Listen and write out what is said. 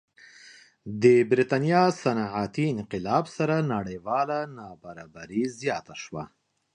د برېټانیا صنعتي انقلاب سره نړیواله نابرابري زیاته شوه.